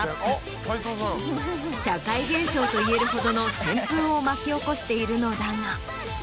社会現象といえるほどの旋風を巻き起こしているのだが。